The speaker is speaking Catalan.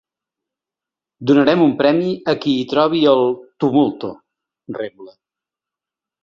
Donarem un premi a qui hi trobi el “tumulto”, rebla.